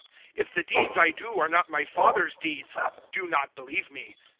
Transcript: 010:037 If the deeds I do are not my Father's deeds, do not believe me.